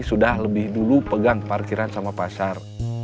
sudah lebih dulu pegang parkiran sama pasar